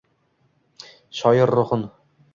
Shoir ruhin